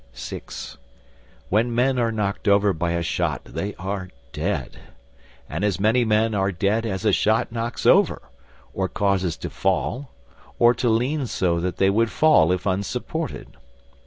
(VI) When men are knocked over by a shot they are dead, and as many men are dead as a shot knocks over or causes to fall or to lean so that they would fall if unsupported.